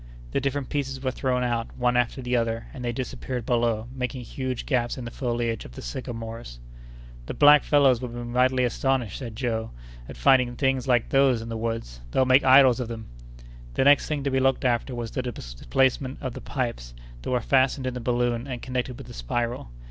The different pieces were thrown out, one after the other, and they disappeared below, making huge gaps in the foliage of the sycamores. "The black fellows will be mightily astonished," said Joe, "at finding things like those in the woods; they'll make idols of them!" The next thing to be looked after was the displacement of the pipes that were fastened in the balloon and connected with the spiral.